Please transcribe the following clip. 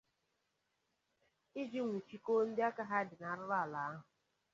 iji nwụchikọọ ndị aka ha dị n'arụrụọụala ahụ.